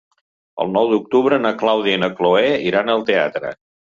El nou d'octubre na Clàudia i na Cloè iran al teatre.